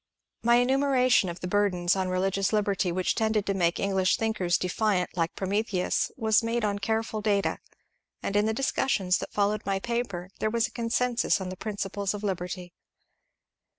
My enumeration of the burdens on religious lib erty which tended to make English thinkers defiant like Pro metheus was made on careful data, and in the discussions that followed my paper there was a consensus on the princi ples of liberty.